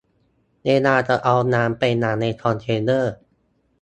เวลาจะเอางานไปรันในคอนเทนเนอร์